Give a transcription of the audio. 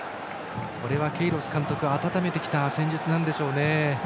これはケイロス監督があたためてきた戦術なんでしょう。